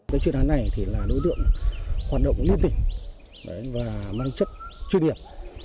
cái chuyện này là đối tượng hoạt động liên tỉnh và mang chất chuyên nghiệp